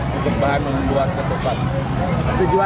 dan juga membuat ketupat untuk masyarakat